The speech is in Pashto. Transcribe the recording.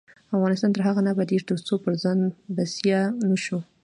افغانستان تر هغو نه ابادیږي، ترڅو پر ځان بسیا نشو.